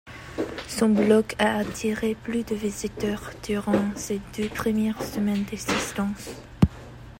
Son blog a attiré plus de visiteurs durant ses deux premières semaines d'existence.